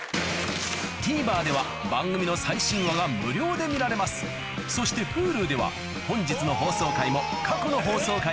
ＴＶｅｒでは番組の最新話が無料で見られますそしてＨｕｌｕでは本日の放送回も過去の放送回もいつでもどこでも見られます